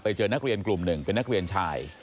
เจอนักเรียนกลุ่มหนึ่งเป็นนักเรียนชาย